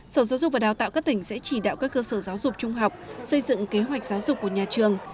sở giáo dục và đào tạo các tỉnh sẽ chỉ đạo các cơ sở giáo dục trung học xây dựng kế hoạch giáo dục của nhà trường